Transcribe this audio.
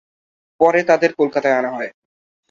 পরে তাদের কলকাতায় আনা হয়।